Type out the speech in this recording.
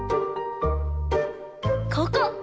ここ！